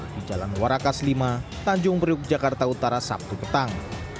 di jalan warakas lima tanjung priuk jakarta utara sabtu petang